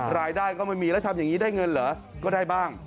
รายได้ก็ไม่มีแล้วทำอย่างนี้ได้เงินเหรอก็ได้บ้าง